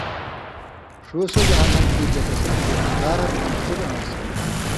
ݜُو سو جہنم تھی چے تسی نہ گنان٘گارہ مُنکُر آن٘سہ۔